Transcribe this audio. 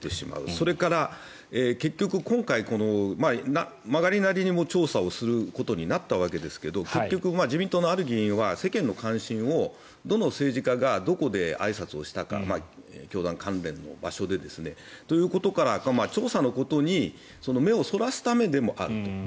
それから結局今回、曲がりなりにも調査をすることになったわけですが結局、自民党のある議員は世間の関心をどの政治家がどこであいさつをしたか教団関連の場所でということから調査のことに目をそらすためでもあると。